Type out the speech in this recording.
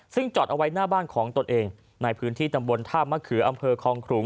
ซึ่งจอดเอาไว้หน้าบ้านของตนเองในพื้นที่ตำบลท่ามะเขืออำเภอคลองขลุง